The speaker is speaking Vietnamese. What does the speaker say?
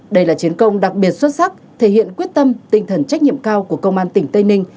đây là chiến công đặc biệt xuất sắc thể hiện quyết tâm tinh thần trách nhiệm cao của công an tỉnh tây ninh